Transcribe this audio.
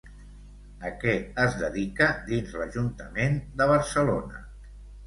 A què es dedica dins l'Ajuntament de Barcelona?